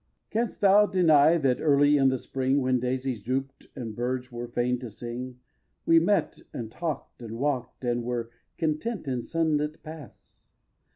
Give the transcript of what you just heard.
ix. Can'st thou deny that, early in the spring, When daisies droop'd, and birds were fain to sing, We met, and talk'd, and walk'd, and were content In sunlit paths?